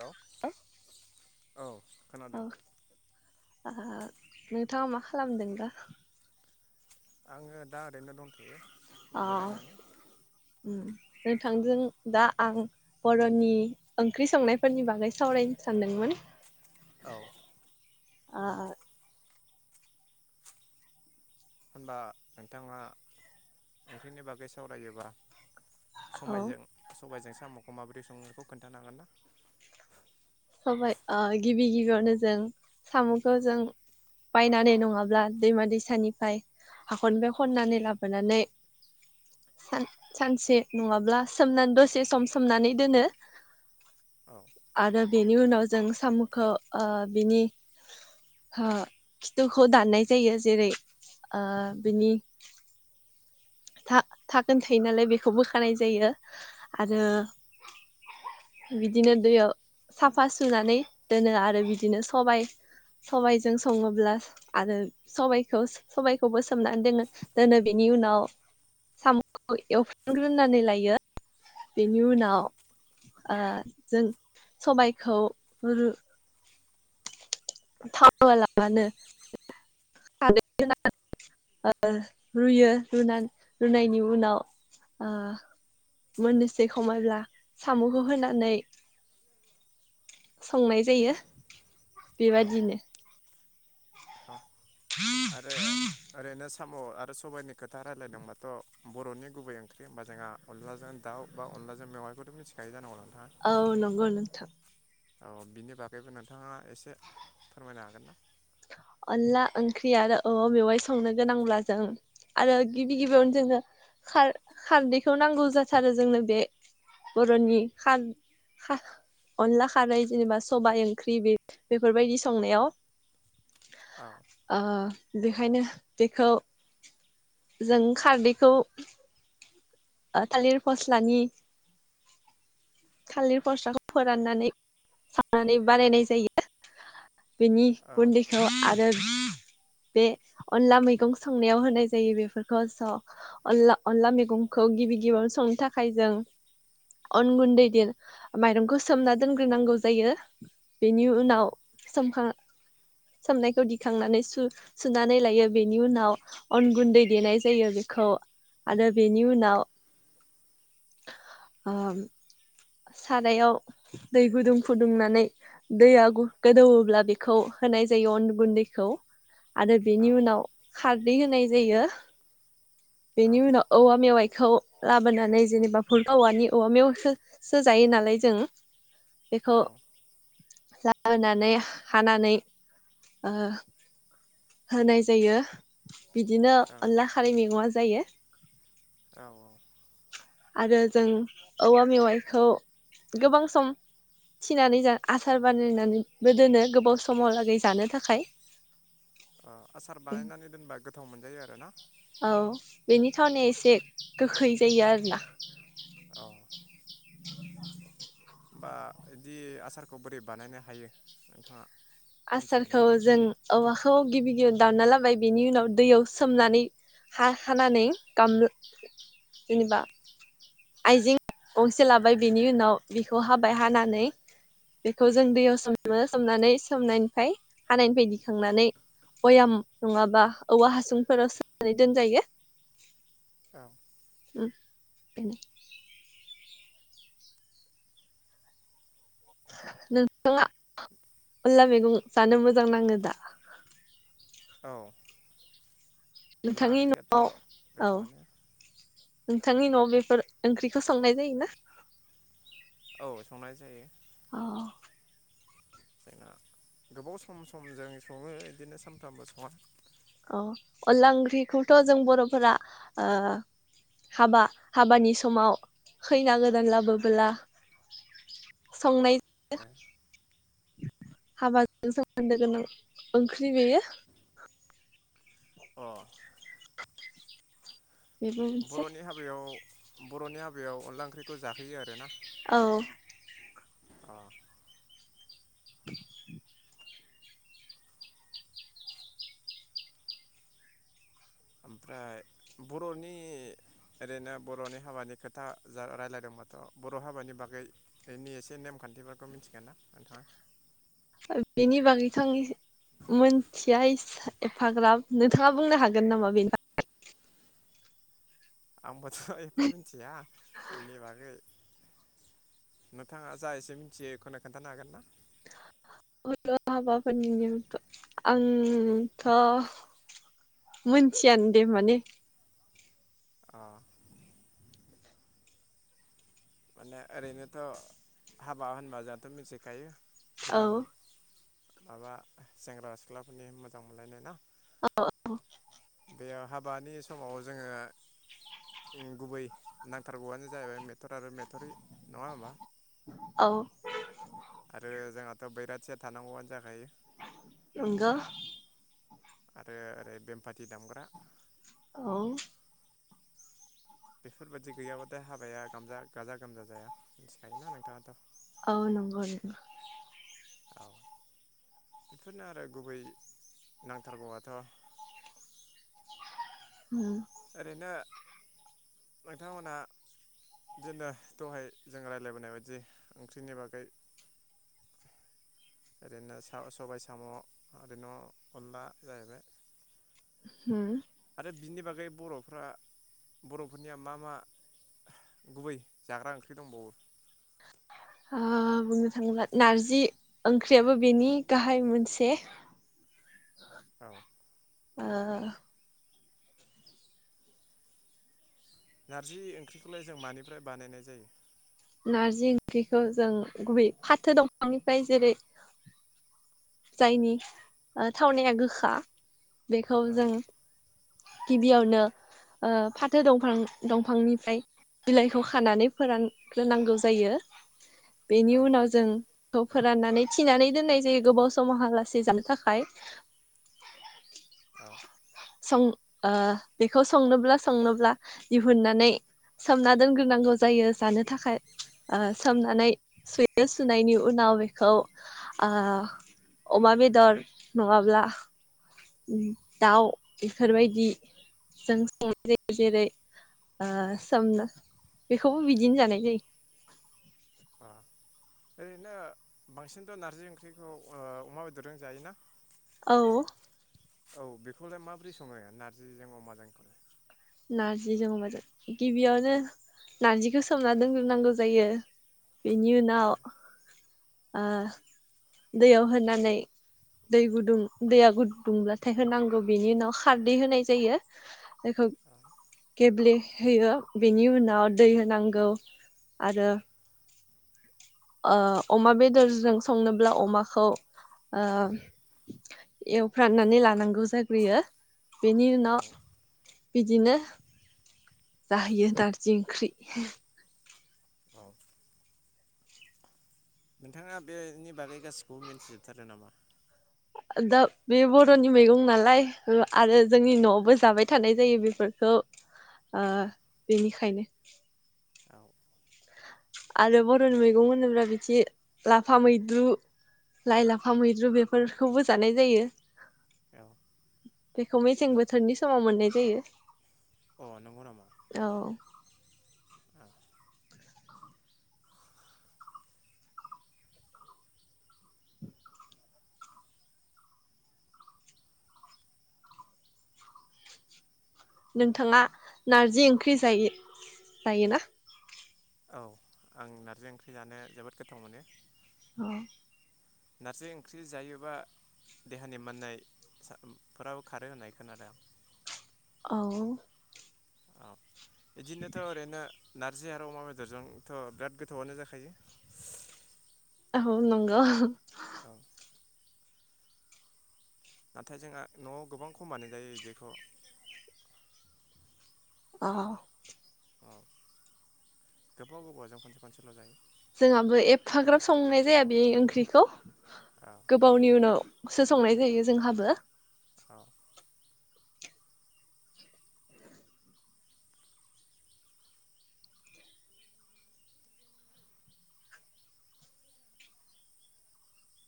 हेल' औ खोनादों आ नोंथाङा मा खालामदों दा? आङो दा ओरैनो दंथ' यो अ जिरायनानै उम नोंथांजों दा आं बर'नि ओंख्रि संनायफोरनि बागै सावरायनो सानदोंमोन औ आ होनबा नोंथाङा ओंख्रिनि बागै सावरायोबा औ सबायजों सबायजों स साम'खौ माबोरै सङो बेखौ खोन्थानो हागोन ना? सबाय आ गिबि गिबियावनो जों साम'खौ जों बायनानै नङाब्ला दैमा दैसानिफ्राय हाखरनिफ्राय खननानै लाबोनानै सान सानसे नङाब्ला सोमनानै दसे सम सोमनानै दोनो औ आरो बिनि उनाव जों साम'खो ओ बिनि हा खिथुखौ दाननाय जायो जेरै आ बिनि था थागोन थायो नालाय बेखौ बोखानाय जायो औ आरो बिदिनो दैयाव साफा सुनानै दोनो आरो बिदिनो सबाइ सबाइजों सङोब्ला आरो सबखौ सबायखौबो सोमनानै दोनो दोनो बिनि उनाव साम'खौ एवफ्राम ग्रोनानै लायो बेनि उनाव ओ जों सबायखौ रु थाव होवा लाबानो खारै होनानै ओ रुयो रुनानै रुनायनि उनाव आ मोननोसै खमायब्ला साम'खौ होनानै संनाय जायो औ बेबादि नो औ आरो ओरैनो साम' आरो सबाइनि खोथा रायजलायदोंबाथ' बर'नि गुबै ओंख्रि होमबा जोंहा अनलाजों दाउ बा अनलाजों मेवाइखौथ' मिथिखायो जानांगौ नों औ नंगौ नोंथां औ बिनि बागैबो नोंथाङा एसे फोरमायनो हागोन ना? अनला ओंख्रि आरो औवा मेवाइ संनो गोनांब्ला जों आरो गिबि गिबियावनो जोंनो खार खारदैखौ नांगौ जाथारो जोंनो बे बर'नि खार खाह अनला खारै जेनेबा सबाय ओंख्रि बे बेफोरबायदि संनायाव औ ओ बेखायनो बेखौ जों खारदैखौ ओ थालिर फस्लानि थालिर फस्लाखौ फोराननानै सावनानै बानायनाय जायो बेनि औ गुन्दैखौ आरो बे अनला मैगं संनायाव होनाय जायो बेफोरखौ स' अनला अनला मैगंखौ गिबि गिबियावनो संनो थाखाय जों अन गुन्दै देनो माइरंखौ सोमना दोनग्रोनांगौ जायो बिनि उनाव सोमखां सोमनायखौ दिखांनानै सु-सुनानै लायो बेनि उनाव अन गुन्दै देनाय जायो बेखौ आरो बेनि उनाव ओ सारायाव दै गुदुं फुदुंनानै दैया गो गोदौयोब्ला बेखौ होनाय जायो अन गुन्दैखौ आरो औ बेनि उनाव खारदै होनाय जायो औ बेनि उनाव औवा मेवाइखौ लाबोनानै जेनेबा फुलखा औवानि औवा मेवयखो सो जायो नालाय जों बेखौ औ ला होनानै हानानै ओ होनाय जायो बिदिनो औ अनला खारै मैगङा जायो औ औ आरो जों औवा मेवाइखौ गोबां सम थिनानै जा आसार बानायनानैबो दोनो गोबाव समाव लागै जानो थाखाय आं आसार बानायनानै दोनबा गोथाव मोनजायो आरोना औ बेनि थावनाया एसे गोखै जायो आरोना औ [inaudible] बा बिदि आसारखौ बोरै बानायनो हायो नोंथाङा मिथियो आसारखौ नामा? जों औवाखौ गिबि गिबियाव दानना लाबो हाबाय बेनि उनाव दैयाव सोमनानै हा हानानै गाम जेनेबा आइजें गंसे लाबाय बेनि उनाव बेखौ हाबाय हानानै बेखौ जों दैयाव सोमो सोमनानै सोमनायनिफ्राय हानायनिफ्राय दिखांनानै बययाम नङाबा औवा हासुंफोराव सोनानै दोनजायो नोंथाङा अनला मैगं जानो मोजां नाङो दा औ अनला नोंथांनि न ओख्रियाथ' औ गोथाव आनो नोंथांनि न' बेफोर ओंख्रिखौ संनाय जायो ना औ संनाय जायो जोंना गोबाव सम समजों सङो बिदिनो सानफ्रामबो सङा अ अनला ओंख्रिखौथ' जों बर'फोरा ओ हाबा हाबानि समाव खैना गोदान लाबोबोला संनाय यो हाबाजों सोमोनदो गोनां ओंख्रि बेयो अ बेबो मोनसे बर'नि हाबायाव बर'नि हाबायाव अनला ओंख्रिखौ जाहोयो आरो ना औ अ [inaudible] ओमफ्राय बर'नि ओरैनो बर'नि हाबानि खोथा जा राय्लायदोंमोनथ' बर' हाबानि बागैनि एसे नेमखान्थिफोरखौ मिथिगोन ना नोंथाङा बेनि बागैथ' आं मोनथिया एफाग्राब नोंथाङा बुंनो हागोन नामा बेनि बागै आंबोथ' एफा मिथिया बेनि बागै नोंथाङा जा एसे मिथियै एखौनो खोन्थानो हागोन ना ' हाबाफोरनि नेम आंथ' मोनथियानो दे माने अ माने ओरैनोथ' हाबा होनबा जों' मिथिखायो औ गोदान माबा सेंग्रा सिख्लाफोरनि मोजां मोनलायनाय ना औ औ बेयाव हाबानि समाव जोङो गुबै नांथारगौआनो जाहैबाय मेथ आरो मेथरि नङा होमबा औ आरो जोंहाथ' बैराथिया थानांगौआनो जाखायो नंगौ आरो ओरै बेमफाथि दामग्रा औ बेफोरबायदि गैयाबाथाय हाबाया गाजा गाजा गोमजा जाया मिथिखायोना नोंथाङाथ' औ नंगौ नंग औ बेफोरनो आरो गुबै नांथारगौआथ' उम ओरैनो नोंथांमोनहा बिदिनो दहाय जों राय्लायबोनाय बायदि ओंख्रिनि बागै ओरैनो सबाय साम' ओरै न' अनला जाहैबाय होम दा बिनि बागै बर'फ्रा बर'फोरनिया मा मा गुबै जाग्रा ओंख्रि दंबावो ओ बुंनो थाङोब्ला नारजि ओंख्रियाबो बेनि गाहाय मोनसे औ ओ नारजि ओंख्रिखौलाय जों मानिफ्राय बानायनाय जायो नारजि ओंख्रिखौ जों गुबै फाथो दंफांनिफ्राय जेरै जायनि ओ थावनाया गोखा बेखौ औ जों गिबियावनो ओ फाथो दंफां दंफांनिफ्राय बिलाइखौ खानानै फोरान ग्रोनांगौ जायो बेनि औ उनाव जों खौ फोराननानै थिनानै दोननाय जायो गोबाव समावहालासे जानो थाखाय औ सं ओ बेखौ संनोब्ला संनोब्ला दिहुननानै सोमना दोनग्रोनांगौ जायो जानो थाखाय ओ सोमनानै सुयो सुनायनि उनाव बेखौ ओ अमा बेदर नङाब्ला दाउ बेफोरबायदि जों संनाय जायो जेरै ओ सोम बेखौबो बिदिनो जानाय जायो अ ओरैनो बांसिनथ' नारजि ओंख्रिखौ ओ अमा बेदरजों जायोना औ औ बेखौलाय माबोरै सङो नारजिजों अमाजोंखौलाय नार्जिजों अमाजों गिबियावनो नारजिखौ सोमना दोनजोबनांगौ जायो बिनि औ उनाव ओ दैयाव होनानै दै गुदुं दैया गुददुंब्लाथाय होनांगौ बेनि उनाव खारदै होनाय जायो बेखौ औ गेब्ले होयो बेनि उनाव दै होनांगौ आरो अ अमा बेदरजों संनोब्ला अमाखौ एवफ्राननानै लानांगौ जाग्रोयो बेनि उनाव बिदिनो जाहैयो नारजि ओंख्रि औ नोंथाङा बेनि बागै गासिखौबो मिन्थिजोबथारो नामा दा बे बर'नि मैगं नालाय आरो जोंनि न'आवबो जाबाय थानाय जायो बेफोरखौ ओ बेनिखायनो औ आरो बर'नि मैगं होनोब्ला बिदि लाफा मैद्रु लाइ लाफा मैद्रु बेफोरखौबो जानाय जायो बेखौ मेसें बोथोरनि समाव मोननाय जायो जायो अ नंगौ नामा नोंथाङा नारजि ओंख्रि जायो जायो ना औ आं नारजि ओंख्रि जानो जोबोद गोथाव मोनो। अह नारजि ओंख्रि जायोबा देहानि मोननाय सा फोराबो खारो होननाय खोनादां। औ। औ इदिनोथ' ओरैनो नारजि आरो अमा बेदरजोंथ' बिराद गोथौआनो जाखायो। औ नंगौ औ नाथाय जोंहा न'आव गोबां खमानो जायो इदिखौ अ औ गोबाव गोबावजों खनसे खनसेल' जायो। जोंहाबो एफाग्राब संनाय जाया बे ओंख्रिखौ। औ गोबावनि उनाव सो संनाय जायो जोंहाबो। औ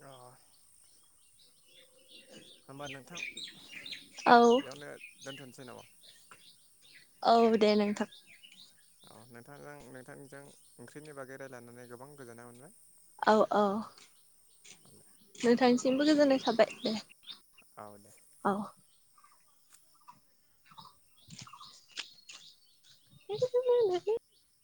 अ होमबा नोंथां औ बेआवनो दोनथ'नो जेन'बा औ दे नोंथां। औ नोंथांजों नोंथांजों ओंख्रिनि बागै रायज्लायनानै गोबां गोजोननाय मोनबाय। औ औ मोनबाय नोंथांसिमबो गोजोननाय थाबाय दे। औ दे। औ। [unintelligible]